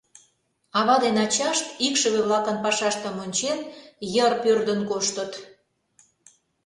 Ава ден ачашт, икшыве-влакын пашаштым ончен, йыр пӧрдын коштыт.